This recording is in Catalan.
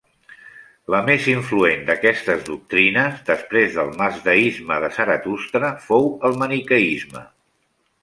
La més influent d'aquestes doctrines, després del mazdeisme de Zaratustra, fou el maniqueisme.